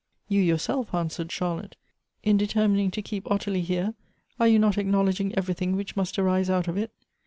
" You, yourself," answered Charlotte ;" in determining to keep Ottilie here, are you not acknowledging every thing which must arise out of it